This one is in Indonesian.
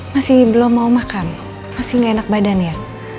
masih belum mau makan masih gak enak badan ya